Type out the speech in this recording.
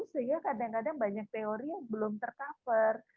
sehingga kadang kadang banyak teori yang belum ter cover